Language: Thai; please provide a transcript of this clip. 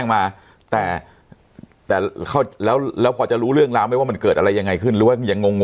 ว่าเขาบอกให้เราออกจากบ้าน